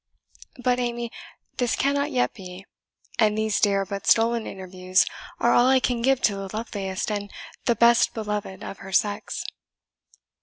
But, Amy, this cannot yet be; and these dear but stolen interviews are all I can give to the loveliest and the best beloved of her sex."